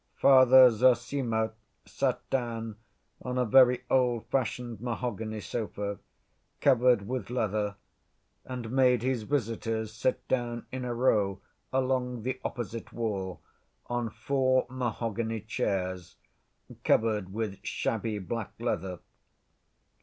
Father Zossima sat down on a very old‐fashioned mahogany sofa, covered with leather, and made his visitors sit down in a row along the opposite wall on four mahogany chairs, covered with shabby black leather.